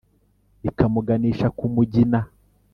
ikamuganisha ku mugina.